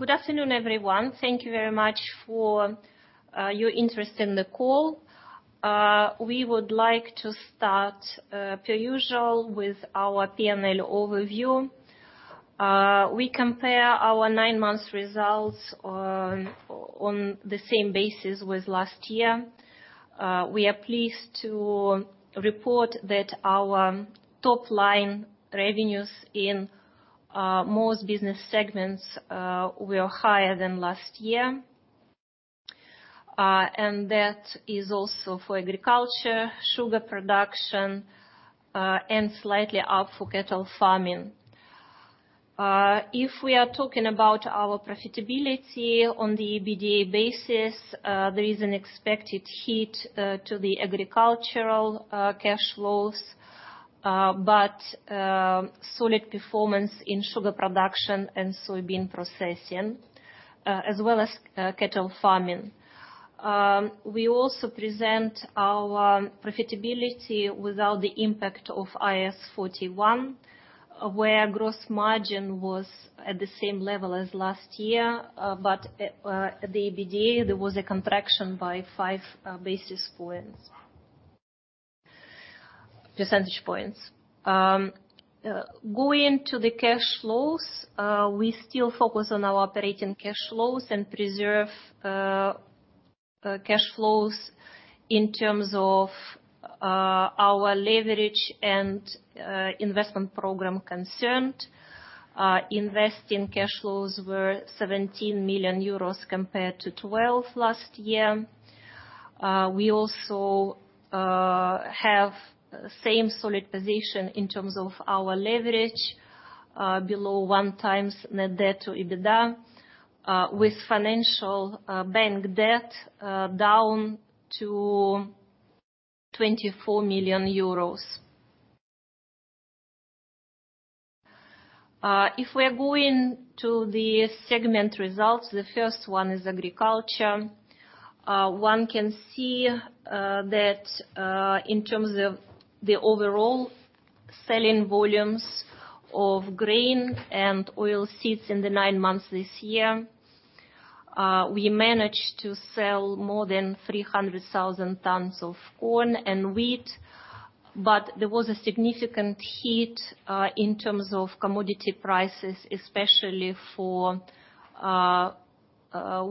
Good afternoon, everyone. Thank you very much for your interest in the call. We would like to start per usual with our P&L overview. We compare our nine months results on the same basis with last year. We are pleased to report that our top line revenues in most business segments were higher than last year. And that is also for agriculture, sugar production, and slightly up for cattle farming. If we are talking about our profitability on the EBITDA basis, there is an expected hit to the agricultural cash flows, but solid performance in sugar production and soybean processing, as well as cattle farming. We also present our profitability without the impact of IAS 41, where gross margin was at the same level as last year, but the EBITDA, there was a contraction by 5 basis points, percentage points. Going to the cash flows, we still focus on our operating cash flows and preserve cash flows in terms of our leverage and investment program concerned. Investing cash flows were 17 million euros compared to 12 million last year. We also have same solid position in terms of our leverage, below 1x net debt to EBITDA, with financial bank debt down to EUR 24 million. If we are going to the segment results, the first one is agriculture. One can see that in terms of the overall selling volumes of grain and oilseeds in the nine months this year, we managed to sell more than 300,000 tons of corn and wheat, but there was a significant hit in terms of commodity prices, especially for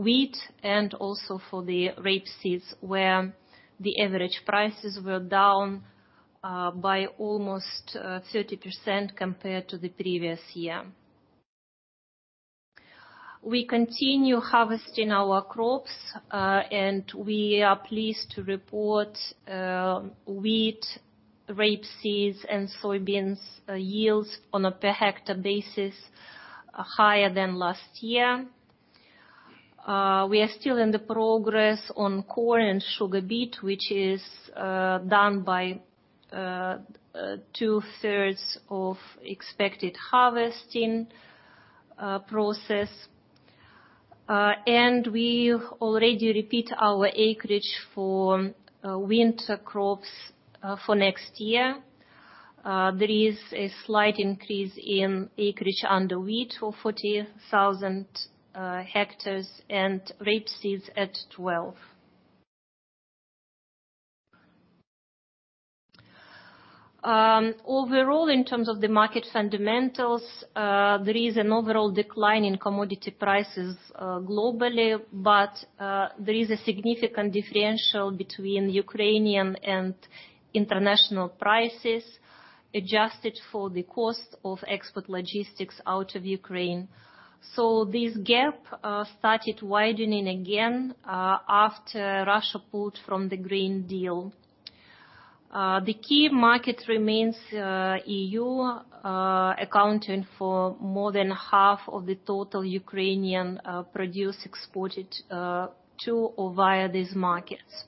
wheat and also for the rapeseed, where the average prices were down by almost 30% compared to the previous year. We continue harvesting our crops, and we are pleased to report wheat, rapeseed, and soybeans yields on a per hectare basis are higher than last year. We are still in the progress on corn and sugar beet, which is done by 2/3 of expected harvesting process. And we already repeat our acreage for winter crops for next year. There is a slight increase in acreage under wheat for 40,000 hectares and rapeseed at 12,000 hectares. Overall, in terms of the market fundamentals, there is an overall decline in commodity prices globally, but there is a significant differential between Ukrainian and international prices, adjusted for the cost of export logistics out of Ukraine. So this gap started widening again after Russia pulled from the grain deal. The key market remains EU, accounting for more than half of the total Ukrainian produce exported to or via these markets.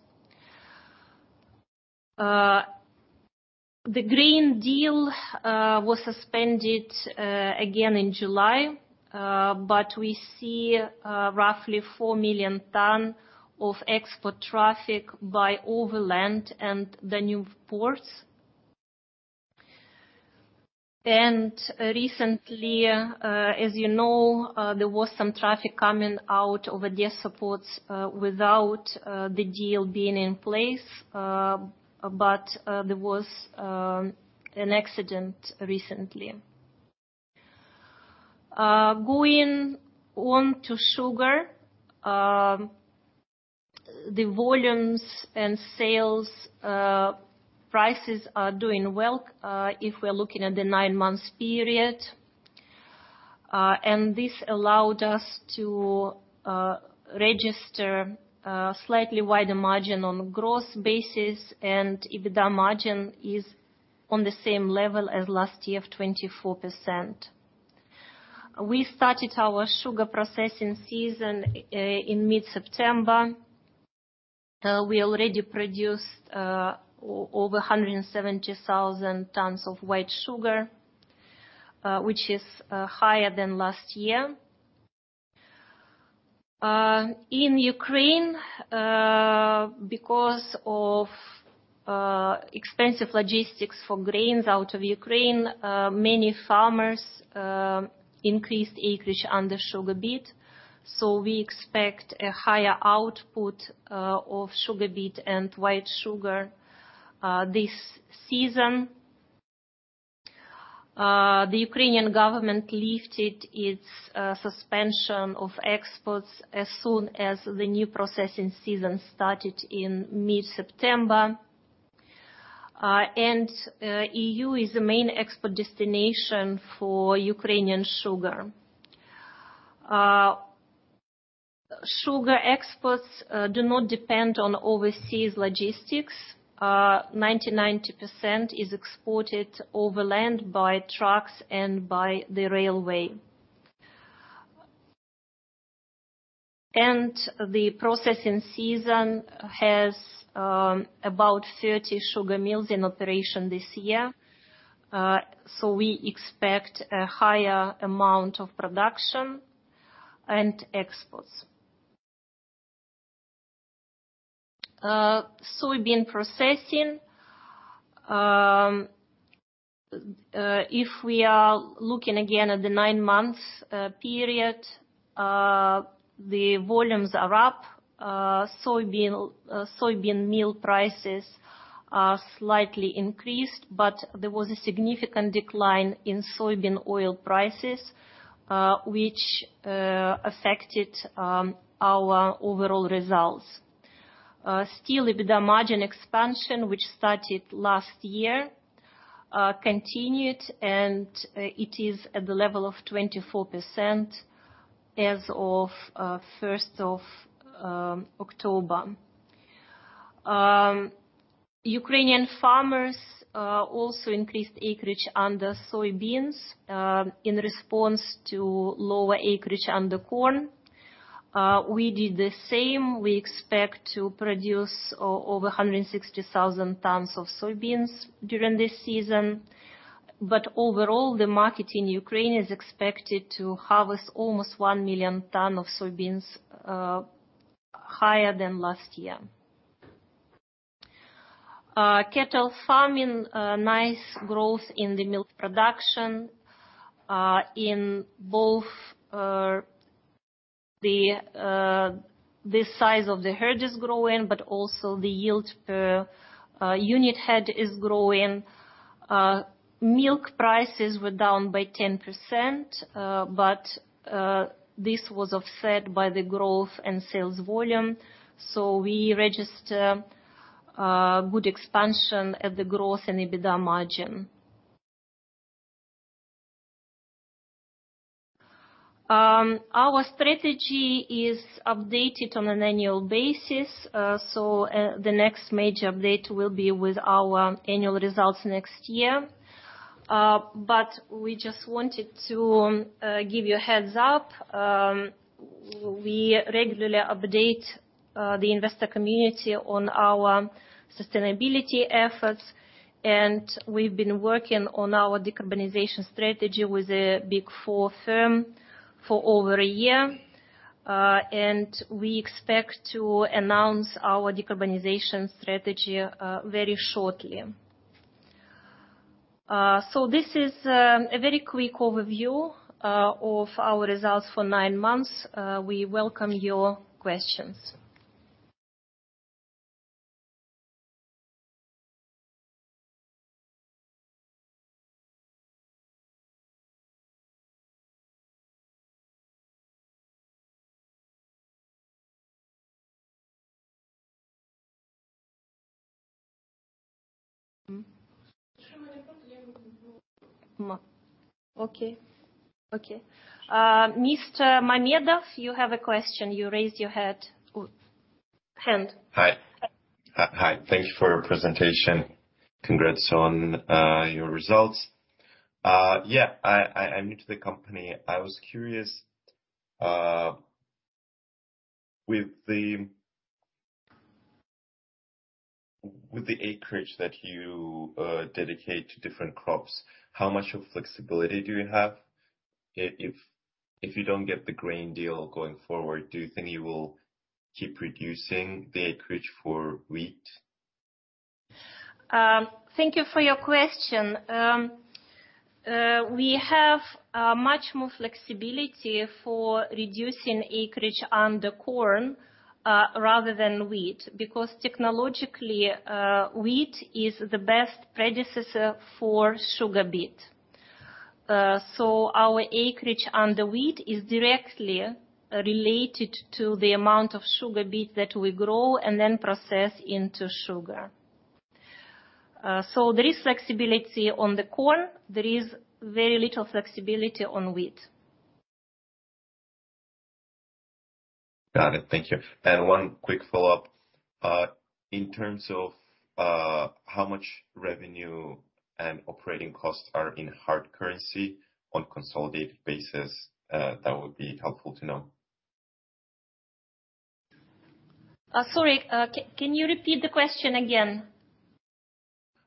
The grain deal was suspended again in July, but we see roughly 4 million tons of export traffic by overland and the new ports. Recently, as you know, there was some traffic coming out over deep-sea ports, without the deal being in place, but there was an accident recently. Going on to sugar, the volumes and sales prices are doing well, if we're looking at the nine-month period. And this allowed us to register slightly wider margin on gross basis, and EBITDA margin is on the same level as last year of 24%. We started our sugar processing season in mid-September. We already produced over 170,000 tons of white sugar, which is higher than last year. In Ukraine, because of expensive logistics for grains out of Ukraine, many farmers increased acreage under sugar beet, so we expect a higher output of sugar beet and white sugar this season. The Ukrainian government lifted its suspension of exports as soon as the new processing season started in mid-September. And, EU is the main export destination for Ukrainian sugar. Sugar exports do not depend on overseas logistics. 99% is exported over land by trucks and by the railway. And the processing season has about 30 sugar mills in operation this year, so we expect a higher amount of production and exports. Soybean processing. If we are looking again at the nine months period, the volumes are up. Soybean meal prices are slightly increased, but there was a significant decline in soybean oil prices, which affected our overall results. Still, EBITDA margin expansion, which started last year, continued, and it is at the level of 24% as of October 1st. Ukrainian farmers also increased acreage under soybeans in response to lower acreage under corn. We did the same. We expect to produce over 160,000 tons of soybeans during this season. But overall, the market in Ukraine is expected to harvest almost 1 million tons of soybeans, higher than last year. Cattle farming, a nice growth in the milk production in both, the size of the herd is growing, but also the yield per unit head is growing. Milk prices were down by 10%, but this was offset by the growth and sales volume, so we register good expansion at the growth and EBITDA margin. Our strategy is updated on an annual basis, so the next major update will be with our annual results next year. But we just wanted to give you a heads-up. We regularly update the investor community on our sustainability efforts, and we've been working on our decarbonization strategy with a Big 4 firm for over a year, and we expect to announce our decarbonization strategy very shortly. So this is a very quick overview of our results for nine months. We welcome your questions. Okay. Mr. Mamedov, you have a question. You raised your hand. Hi, hi, thank you for your presentation. Congrats on your results. Yeah, I'm new to the company. I was curious with the acreage that you dedicate to different crops, how much flexibility do you have? If you don't get the grain deal going forward, do you think you will keep reducing the acreage for wheat? Thank you for your question. We have much more flexibility for reducing acreage under corn, rather than wheat, because technologically, wheat is the best predecessor for sugar beet. So our acreage under wheat is directly related to the amount of sugar beet that we grow and then process into sugar. So there is flexibility on the corn. There is very little flexibility on wheat. Got it. Thank you. One quick follow-up. In terms of how much revenue and operating costs are in hard currency on a consolidated basis, that would be helpful to know. Sorry, can you repeat the question again?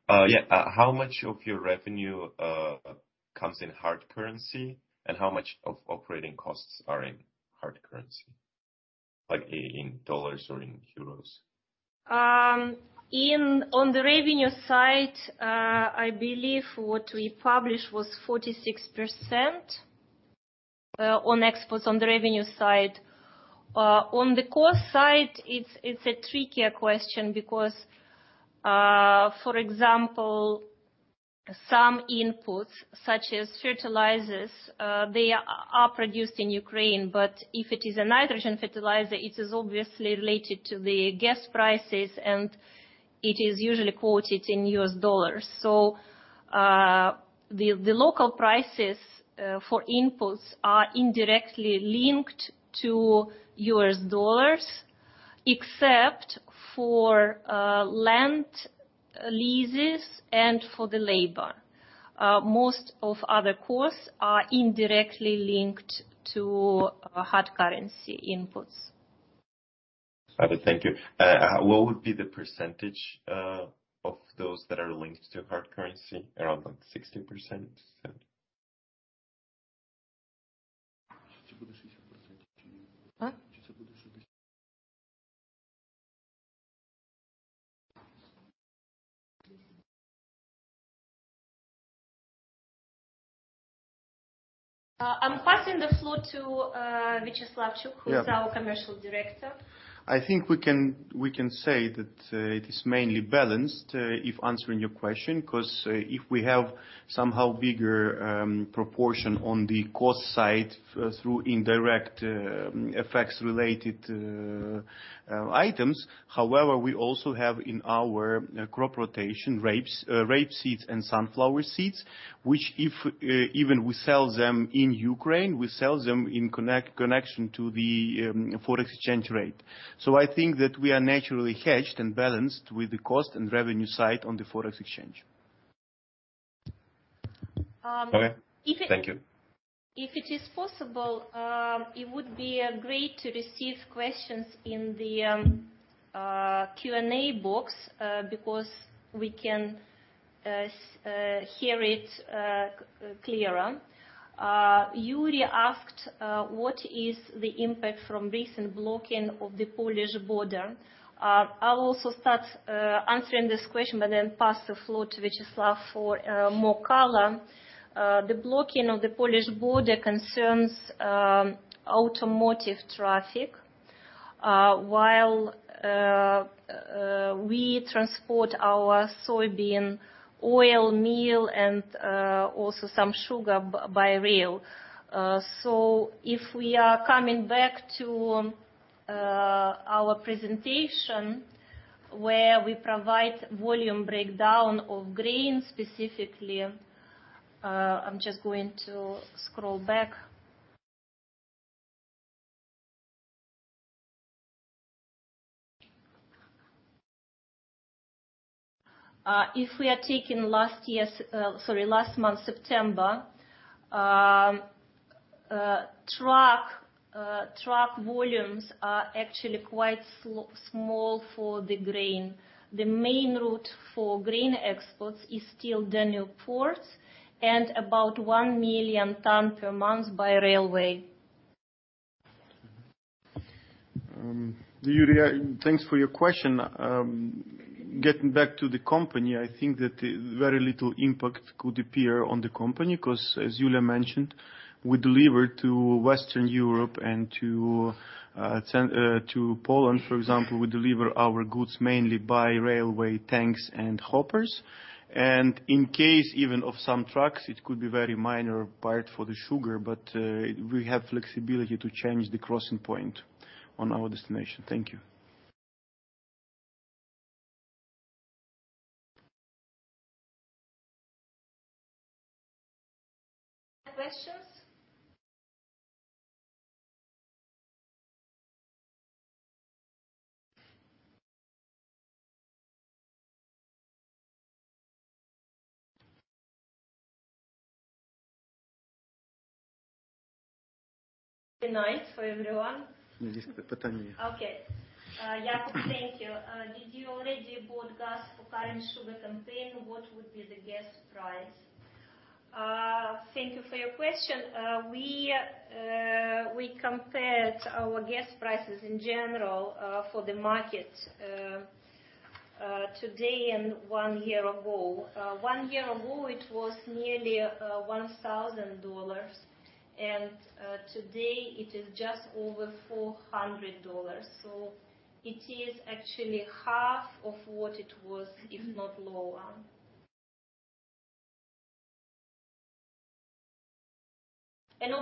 Yeah. How much of your revenue comes in hard currency, and how much of operating costs are in hard currency, like, in U.S. dollars or in euros? On the revenue side, I believe what we published was 46% on exports on the revenue side. On the cost side, it's a trickier question because, for example, some inputs, such as fertilizers, they are produced in Ukraine, but if it is a nitrogen fertilizer, it is obviously related to the gas prices, and it is usually quoted in U.S. dollars. So, the local prices for inputs are indirectly linked to U.S. dollars, except for land leases and for the labor. Most of other costs are indirectly linked to hard currency inputs. Thank you. What would be the percentage of those that are linked to hard currency, around, like, 60%-70%? I'm passing the floor to Viacheslav Chuk. Yeah. Who is our Commercial Director? I think we can, we can say that it is mainly balanced, if answering your question, 'cause if we have somehow bigger proportion on the cost side through indirect effects related to items. However, we also have in our crop rotation rapeseed and sunflower seeds, which, if even we sell them in Ukraine, we sell them in connection to the forex exchange rate. So I think that we are naturally hedged and balanced with the cost and revenue side on the Forex exchange. Okay. If it- Thank you. If it is possible, it would be great to receive questions in the Q&A box, because we can hear it clearer. Yuri asked, "What is the impact from recent blocking of the Polish border?" I'll also start answering this question, but then pass the floor to Viacheslav for more color. The blocking of the Polish border concerns automotive traffic, while we transport our soybean oil, meal, and also some sugar by rail. So if we are coming back to our presentation, where we provide volume breakdown of grain, specifically, I'm just going to scroll back. If we are taking last year's... Sorry, last month, September, truck volumes are actually quite small for the grain. The main route for grain exports is still Danube ports and about 1 million ton per month by railway. Yuri, thanks for your question. Getting back to the company, I think that very little impact could appear on the company, 'cause as Yulia mentioned, we deliver to Western Europe and to 10 to Poland, for example, we deliver our goods mainly by railway tanks and hoppers. In case even of some trucks, it could be very minor part for the sugar, but we have flexibility to change the crossing point on our destination. Thank you. Questions? Good night for everyone. Okay. Jacob, thank you. Did you already bought gas for current sugar campaign? What would be the gas price? Thank you for your question. We compared our gas prices in general for the market today and one year ago. One year ago, it was nearly $1,000, and today it is just over $400. So it is actually half of what it was, if not lower. And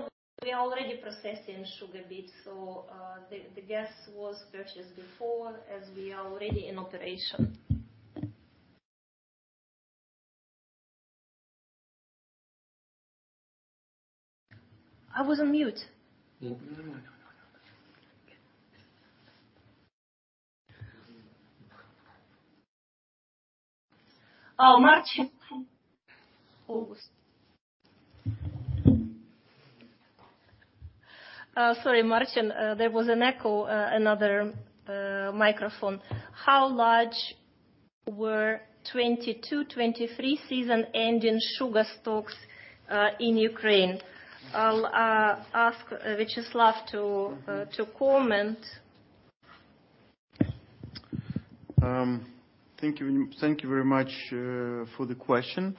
we are already processing sugar beets, so the gas was purchased before, as we are already in operation. I was on mute. No. Martin, August. Sorry, Martin, there was an echo, another microphone. How large were 2022-2023 season ending sugar stocks in Ukraine? I'll ask Viacheslav to comment. Thank you. Thank you very much for the question.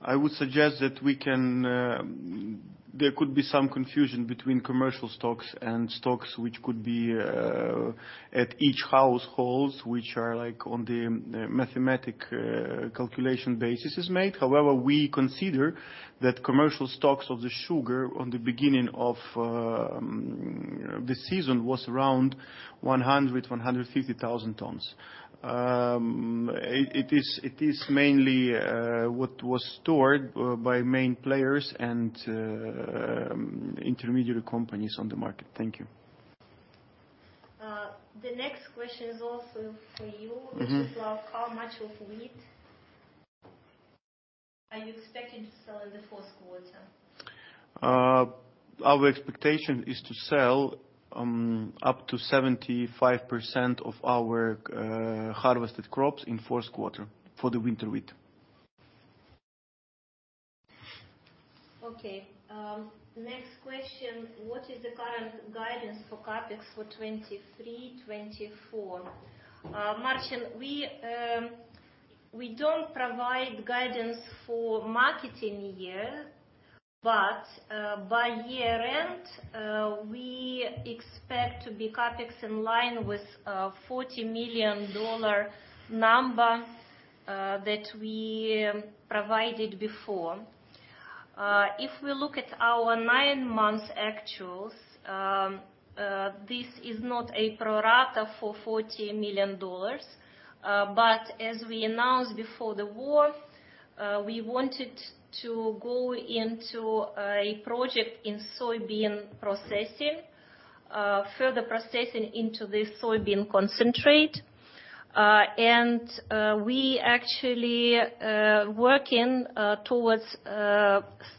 I would suggest that we can, there could be some confusion between commercial stocks and stocks, which could be at each households, which are like on the, mathematical calculation basis is made. However, we consider that commercial stocks of the sugar at the beginning of the season was around 100-150,000 tons. It is mainly what was stored by main players and intermediary companies on the market. Thank you. The next question is also for you Viacheslav, how much of wheat are you expecting to sell in the Q4? Our expectation is to sell up to 75% of our harvested crops in Q4 for the winter wheat. Okay, next question: What is the current guidance for CapEx for 2023, 2024? Martin, we don't provide guidance for marketing year, but by year end, we expect CapEx in line with $40 million number that we provided before. If we look at our nine-month actuals, this is not a pro rata for $40 million, but as we announced before the war, we wanted to go into a project in soybean processing, further processing into the soybean concentrate. And we actually working towards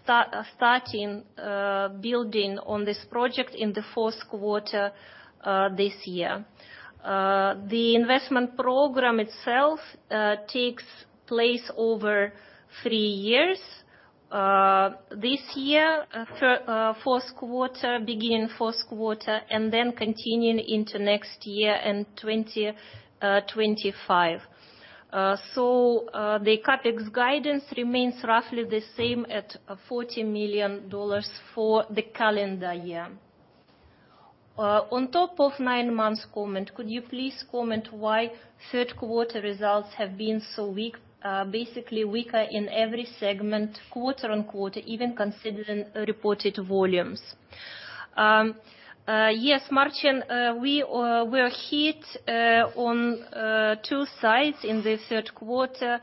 starting building on this project in the Q4 this year. The investment program itself takes place over three years. This year, Q4, beginning Q4, and then continuing into next year and 2025. So, the CapEx guidance remains roughly the same at $40 million for the calendar year. On top of nine-month comment, could you please comment why Q3 results have been so weak, basically weaker in every segment, quarter-on-quarter, even considering reported volumes? Yes, Martin, we were hit on two sides in the Q3.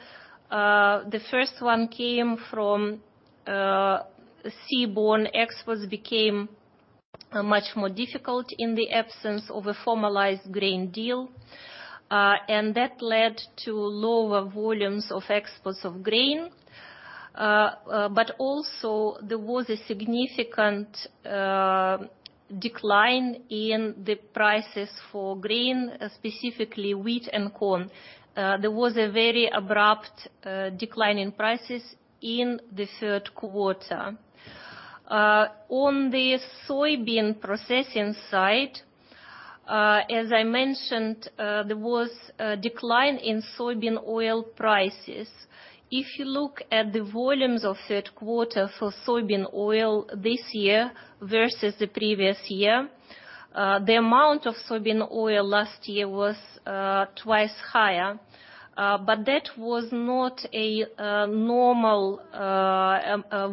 The first one came from seaborne exports became much more difficult in the absence of a formalized grain deal, and that led to lower volumes of exports of grain. But also there was a significant decline in the prices for grain, specifically wheat and corn. There was a very abrupt decline in prices in the Q3. On the soybean processing side, as I mentioned, there was a decline in soybean oil prices. If you look at the volumes of Q3 for soybean oil this year versus the previous year, the amount of soybean oil last year was twice higher, but that was not a normal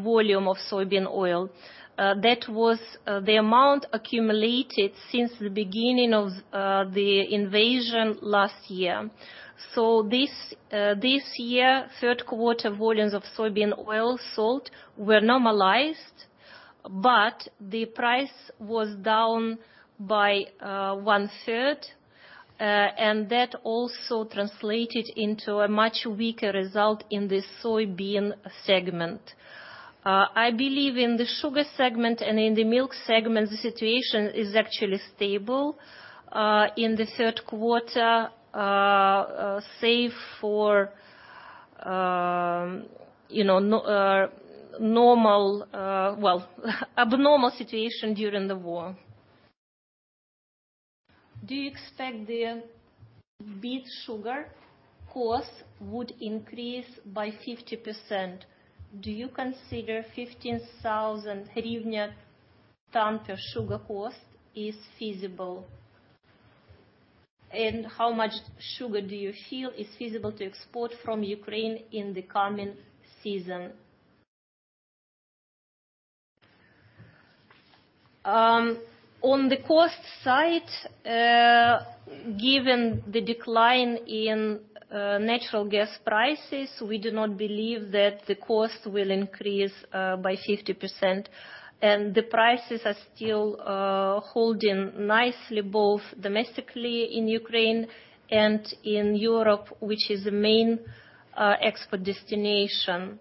volume of soybean oil. That was the amount accumulated since the beginning of the invasion last year. So this year, Q3 volumes of soybean oil sold were normalized, but the price was down by 1/3, and that also translated into a much weaker result in the soybean segment. I believe in the sugar segment and in the milk segment, the situation is actually stable in the Q3, save for, you know, well, abnormal situation during the war. Do you expect the beet sugar costs would increase by 50%? Do you consider UAH 15,000/ton sugar cost is feasible? And how much sugar do you feel is feasible to export from Ukraine in the coming season? On the cost side, given the decline in natural gas prices, we do not believe that the cost will increase by 50%, and the prices are still holding nicely, both domestically in Ukraine and in Europe, which is the main export destination.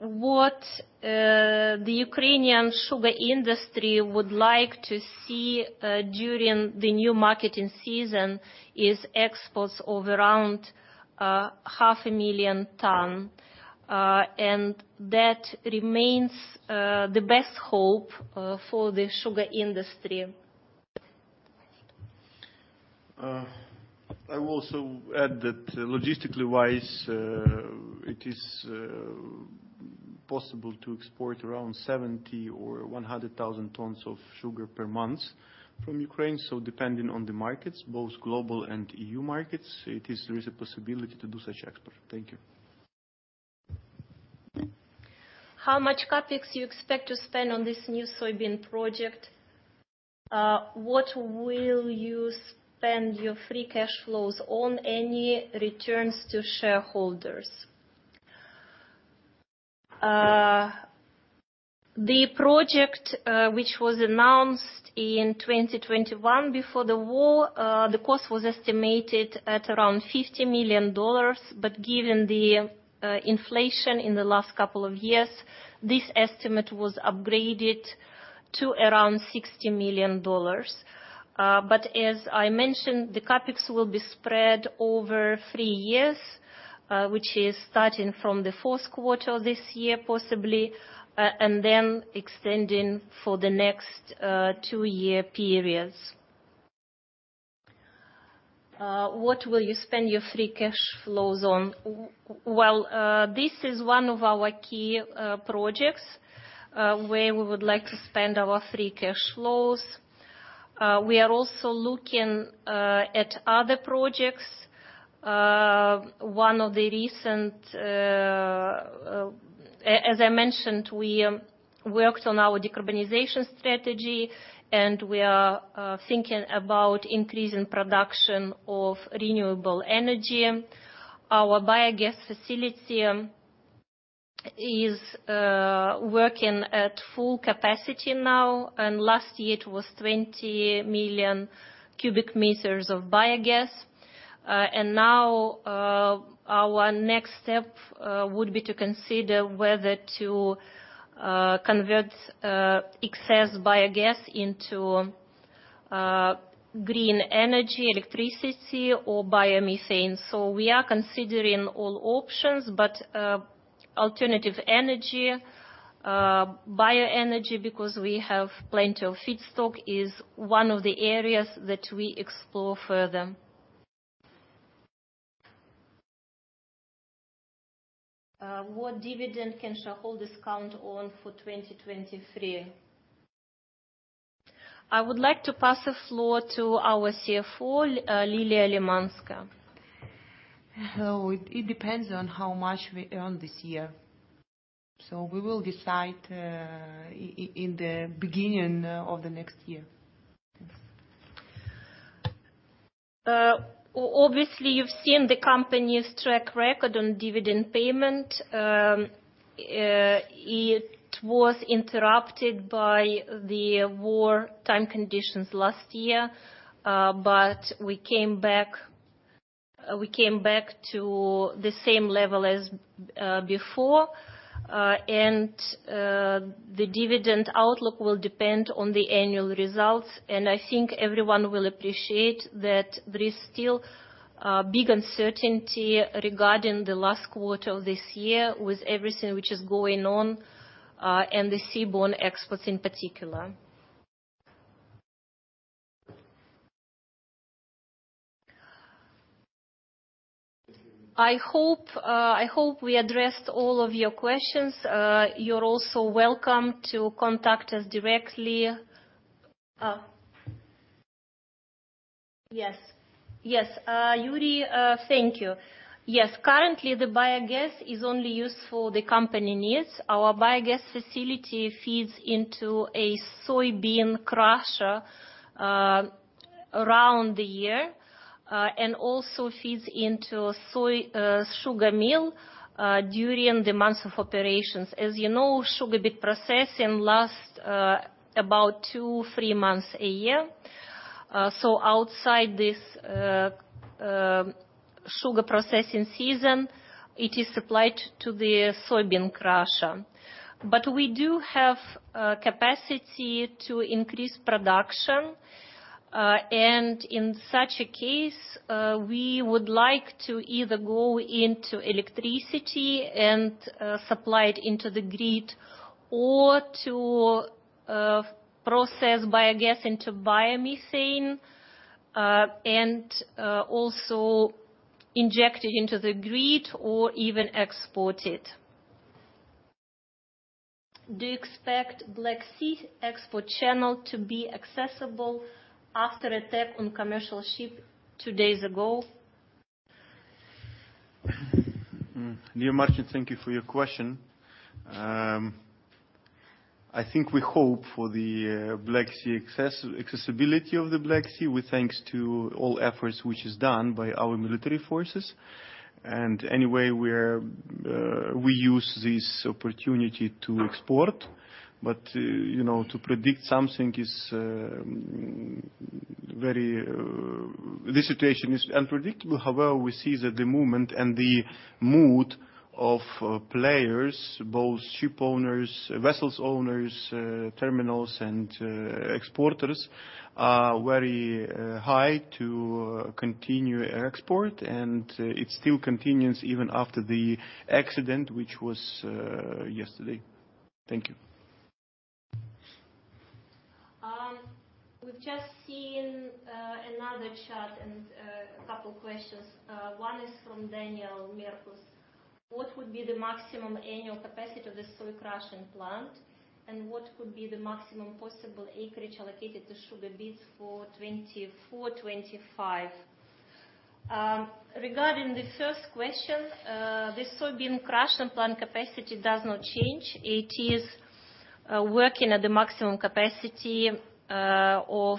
What the Ukrainian sugar industry would like to see during the new marketing season is exports of around 500,000 tons. And that remains the best hope for the sugar industry. I will also add that logistically wise, it is possible to export around 70 or 100,000 tons of sugar per month from Ukraine. So depending on the markets, both global and EU markets, it is. There is a possibility to do such export. Thank you. How much CapEx you expect to spend on this new soybean project? What will you spend your free cash flows on, any returns to shareholders? The project, which was announced in 2021 before the war, the cost was estimated at around $50 million, but given the, inflation in the last couple of years, this estimate was upgraded to around $60 million. But as I mentioned, the CapEx will be spread over three years, which is starting from the Q4 of this year, possibly, and then extending for the next, two-year periods. What will you spend your free cash flows on? Well, this is one of our key projects, where we would like to spend our free cash flows. We are also looking at other projects. As I mentioned, we worked on our decarbonization strategy, and we are thinking about increasing production of renewable energy. Our biogas facility is working at full capacity now, and last year it was 20 million cubic meters of biogas. And now, our next step would be to consider whether to convert excess biogas into green energy, electricity, or biomethane. So we are considering all options, but alternative energy, bioenergy, because we have plenty of feedstock, is one of the areas that we explore further. What dividend can shareholders count on for 2023? I would like to pass the floor to our CFO, Liliia Lymanska. So it depends on how much we earn this year. So we will decide in the beginning of the next year. Obviously, you've seen the company's track record on dividend payment. It was interrupted by the wartime conditions last year, but we came back, we came back to the same level as before. And, the dividend outlook will depend on the annual results, and I think everyone will appreciate that there is still big uncertainty regarding the last quarter of this year with everything which is going on, and the seaborne exports in particular. I hope we addressed all of your questions. You're also welcome to contact us directly. Yes. Yes, Yuri, thank you. Yes, currently, the biogas is only used for the company needs. Our biogas facility feeds into a soybean crusher around the year, and also feeds into soy, sugar mill during the months of operations. As you know, sugar beet processing lasts about two or three months a year. So outside this sugar processing season, it is supplied to the soybean crusher. But we do have capacity to increase production, and in such a case, we would like to either go into electricity and supply it into the grid, or to process biogas into biomethane, and also inject it into the grid or even export it. Do you expect Black Sea export channel to be accessible after attack on commercial ship two days ago? Dear Martin, thank you for your question. I think we hope for the Black Sea accessibility, with thanks to all efforts which is done by our military forces. Anyway, we're we use this opportunity to export, but you know, to predict something is very this situation is unpredictable. However, we see that the movement and the mood of players, both ship owners, vessels owners, terminals, and exporters, are very high to continue export, and it still continues even after the accident, which was yesterday. Thank you. We've just seen another chart and a couple questions. One is from Daniel Marcus, "What would be the maximum annual capacity of the soy crushing plant, and what could be the maximum possible acreage allocated to sugar beets for 2024, 2025?" Regarding the first question, the soybean crushing plant capacity does not change. It is working at the maximum capacity of 230,000+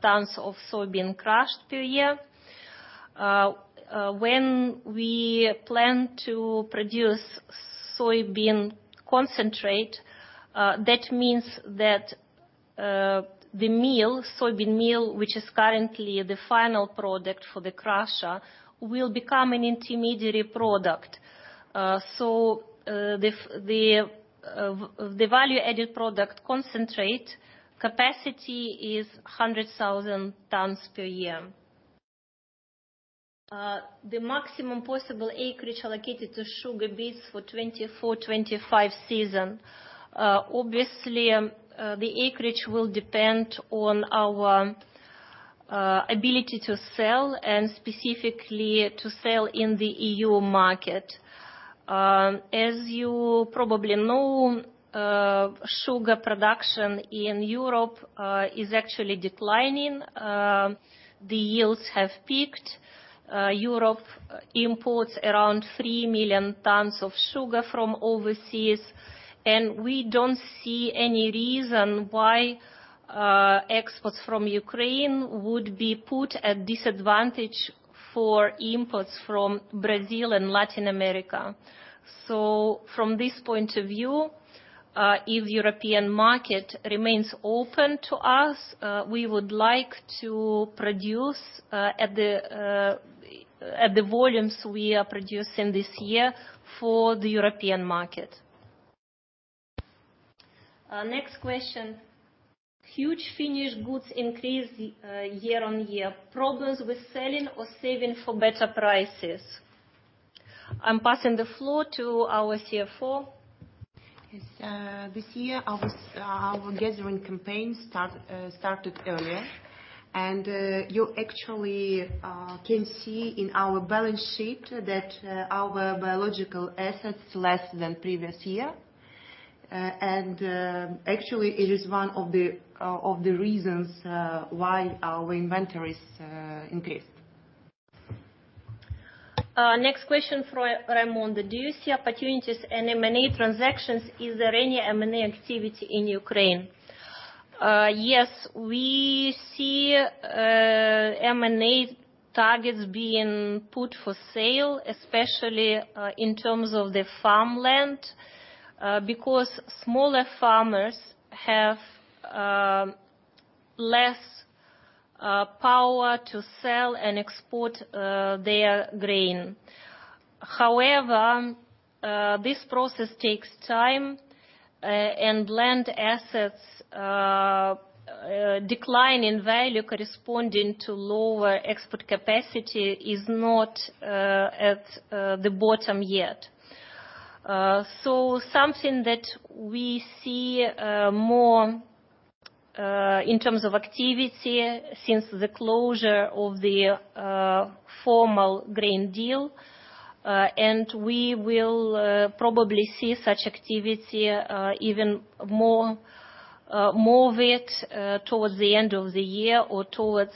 tons of soybean crushed per year. When we plan to produce soybean concentrate, that means that the meal, soybean meal, which is currently the final product for the crusher, will become an intermediary product. So, the value-added product concentrate capacity is 100,000 tons per year. The maximum possible acreage allocated to sugar beets for 2024, 2025 season, obviously, the acreage will depend on our ability to sell and specifically to sell in the EU market. As you probably know, sugar production in Europe is actually declining. The yields have peaked. Europe imports around 3 million tons of sugar from overseas, and we don't see any reason why exports from Ukraine would be put at disadvantage for imports from Brazil and Latin America. So from this point of view, if European market remains open to us, we would like to produce at the volumes we are producing this year for the European market. Next question: "Huge finished goods increase, year-on- year, problems with selling or saving for better prices?" I'm passing the floor to our CFO. Yes, this year, our gathering campaign started earlier, and you actually can see in our balance sheet that our biological assets less than previous year. And actually, it is one of the reasons why our inventories increased. Next question for Raimonda: "Do you see opportunities in M&A transactions? Is there any M&A activity in Ukraine?" Yes, we see M&A targets being put for sale, especially in terms of the farmland because smaller farmers have less power to sell and export their grain. However, this process takes time, and land assets decline in value corresponding to lower export capacity is not at the bottom yet. So something that we see more in terms of activity since the closure of the formal grain deal, and we will probably see such activity even more with towards the end of the year or towards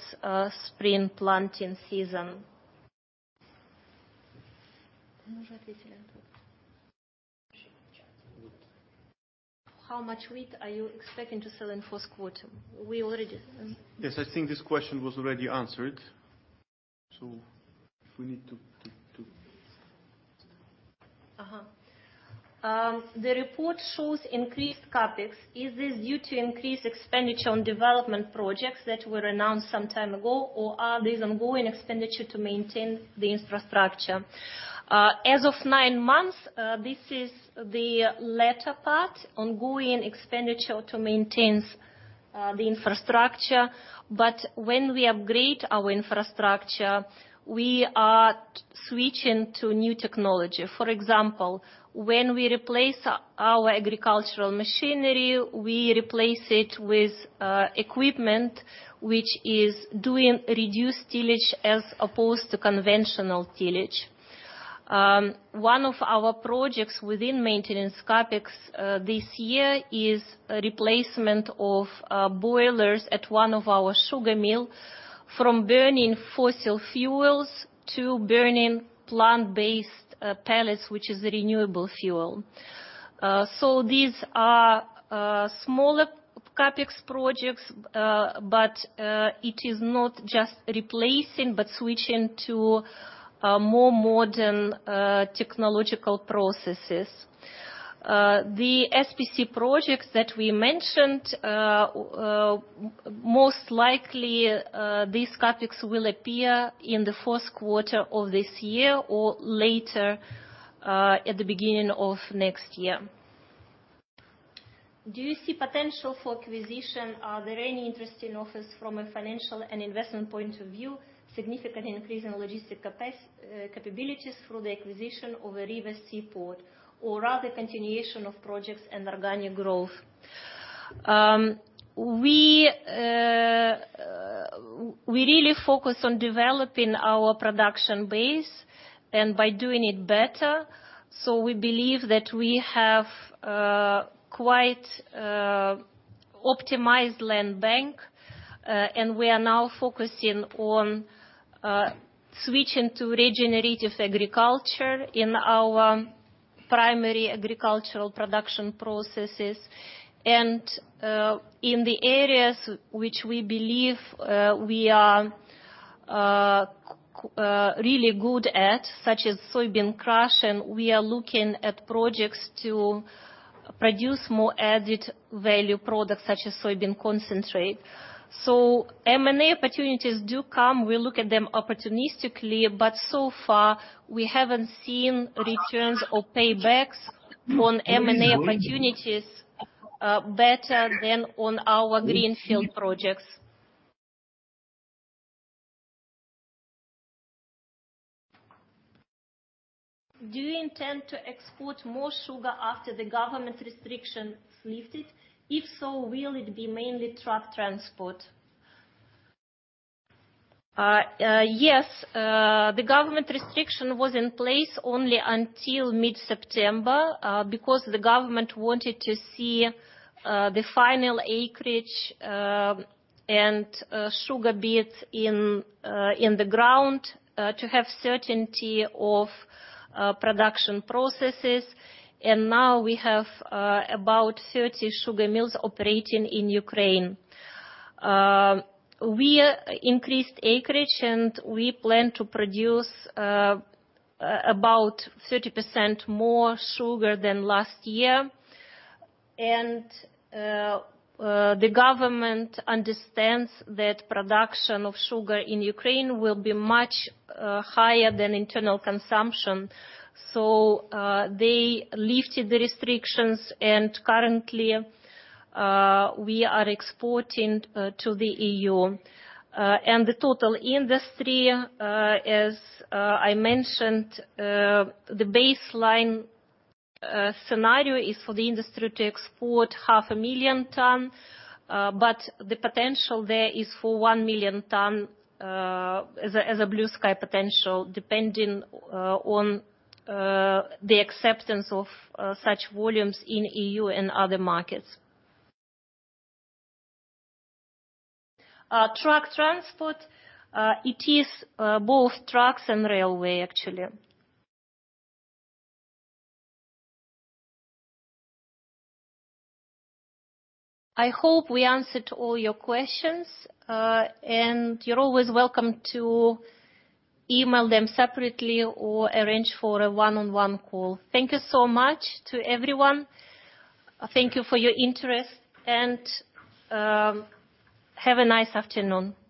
spring planting season. How much wheat are you expecting to sell in Q1? We already, Yes, I think this question was already answered. So if we need to... Uh-huh. The report shows increased CapEx. Is this due to increased expenditure on development projects that were announced some time ago, or are these ongoing expenditure to maintain the infrastructure? As of nine months, this is the latter part, ongoing expenditure to maintain the infrastructure. But when we upgrade our infrastructure, we are switching to new technology. For example, when we replace our agricultural machinery, we replace it with equipment which is doing reduced tillage as opposed to conventional tillage. One of our projects within maintenance CapEx this year is replacement of boilers at one of our sugar mill from burning fossil fuels to burning plant-based pellets, which is a renewable fuel. So these are smaller CapEx projects, but it is not just replacing, but switching to more modern technological processes. The SPC projects that we mentioned, most likely, these CapEx will appear in the Q4 of this year or later, at the beginning of next year. Do you see potential for acquisition? Are there any interesting offers from a financial and investment point of view, significantly increasing logistic capabilities through the acquisition of a river seaport, or rather continuation of projects and organic growth? We really focus on developing our production base and by doing it better. So we believe that we have quite optimized land bank, and we are now focusing on switching to regenerative agriculture in our primary agricultural production processes. In the areas which we believe we are really good at, such as soybean crushing, we are looking at projects to produce more added value products such as soybean concentrate. M&A opportunities do come, we look at them opportunistically, but so far we haven't seen returns or paybacks on M&A opportunities better than on our greenfield projects. Do you intend to export more sugar after the government restriction is lifted? If so, will it be mainly truck transport? Yes. The government restriction was in place only until mid-September, because the government wanted to see the final acreage and sugar beets in the ground to have certainty of production processes. Now we have about 30 sugar mills operating in Ukraine. We increased acreage, and we plan to produce about 30% more sugar than last year. The government understands that production of sugar in Ukraine will be much higher than internal consumption, so they lifted the restrictions, and currently we are exporting to the EU. The total industry, as I mentioned, the baseline scenario is for the industry to export 500,000 tons, but the potential there is for 1,000,000 tons, as a blue-sky potential, depending on the acceptance of such volumes in EU and other markets. Truck transport, it is both trucks and railway, actually. I hope we answered all your questions, and you're always welcome to email them separately or arrange for a one-on-one call. Thank you so much to everyone. Thank you for your interest and have a nice afternoon.